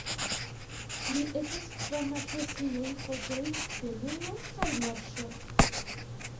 Li estas fama pro siaj fotoj de Luno kaj Marso.